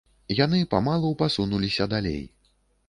Яны памалу пасунуліся далей.